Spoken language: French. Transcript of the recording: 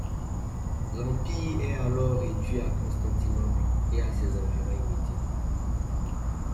L’empire est alors réduit à Constantinople et à ses environs immédiats.